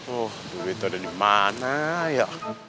oh duit itu ada di mana ya